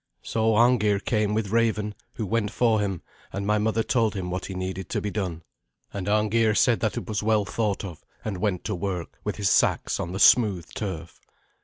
So Arngeir came with Raven, who went for him, and my father told him what he needed to be done; and Arngeir said that it was well thought of, and went to work with his seax on the smooth turf.